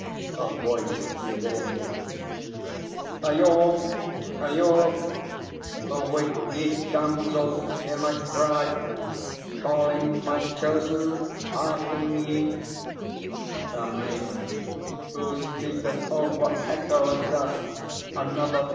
A VOICE WITHIN. Io! Io! Awake, ye damsels; hear my cry, Calling my Chosen; hearken ye! A MAIDEN. Who speaketh? Oh, what echoes thus? ANOTHER.